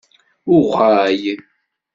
Uɣal.